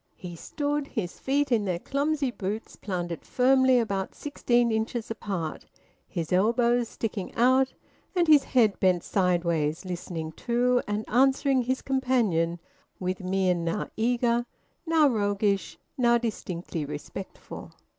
He stood, his feet in their clumsy boots planted firmly about sixteen inches apart, his elbows sticking out, and his head bent sideways, listening to and answering his companion with mien now eager, now roguish, now distinctly respectful.